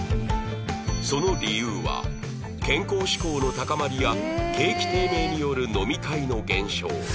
その理由は健康志向の高まりや景気低迷による飲み会の減少